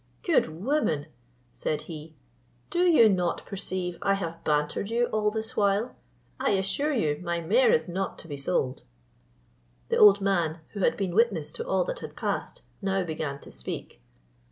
"Good woman," said he, "do you not perceive I have bantered you all this while? I assure you my mare is not to be sold." The old man, who had been witness to all that had passed, now began to speak.